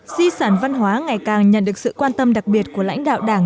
di sản văn hóa ngày càng nhận được sự quan tâm đặc biệt của lãnh đạo đảng